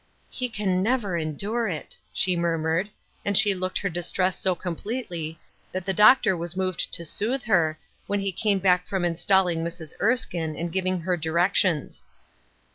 " He can never endure it !" she murmured ; and she looked her distress so completely that the doctor was moved to soothe her, when he came back from installing Mrs. Erskine, and giving her directions.